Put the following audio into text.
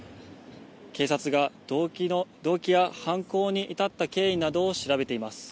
警察が動機や犯行に至った経緯などを調べています。